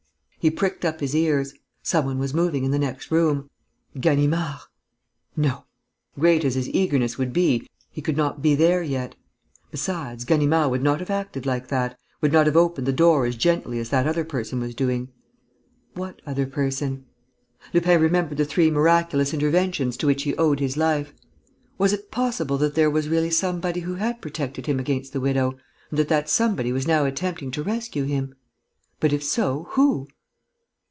He pricked up his ears. Some one was moving in the next room. Ganimard! No. Great as his eagerness would be, he could not be there yet. Besides, Ganimard would not have acted like that, would not have opened the door as gently as that other person was doing. What other person? Lupin remembered the three miraculous interventions to which he owed his life. Was it possible that there was really somebody who had protected him against the widow, and that that somebody was now attempting to rescue him? But, if so, who?